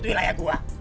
bener lah pada ngeojek